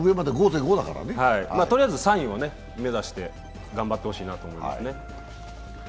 とりあえず３位を目指して頑張って欲しいなと思いますね。